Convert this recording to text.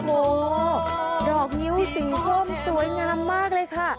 โอ้โหดอกงิ้วสีส้มสวยงามมากเลยค่ะ